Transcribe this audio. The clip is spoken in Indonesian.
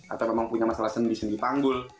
atau memang punya masalah sendi sendi panggul